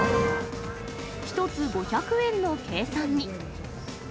１つ５００円の計算に。